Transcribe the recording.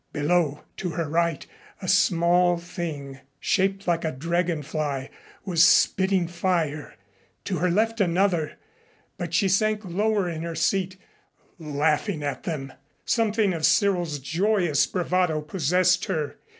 Below, to her right, a small thing, shaped like a dragon fly, was spitting fire to her left another, but she sank lower in her seat laughing at them. Something of Cyril's joyous bravado possessed her.